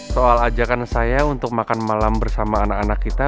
soal ajakan saya untuk makan malam bersama anak anak kita